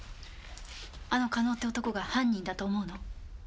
あの加納って男が犯人だと思うの？